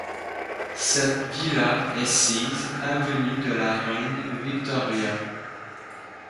Cette villa est sise avenue de la reine Victoria.